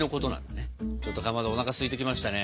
ちょっとかまどおなかすいてきましたね。